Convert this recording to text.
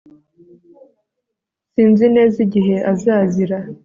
sinzi neza igihe azazira